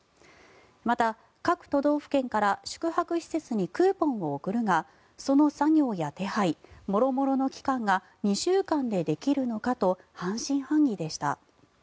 また、各都道府県から宿泊施設にクーポンを送るがその作業や手配もろもろの期間が２週間でできるのかと半信半疑でした。